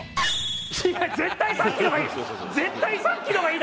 違う絶対さっきの方がいい！